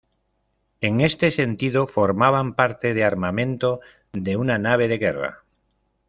En este sentido formaban parte de "armamento" de una nave de guerra.